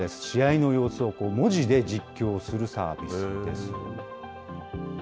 試合の様子を文字で実況するサービスです。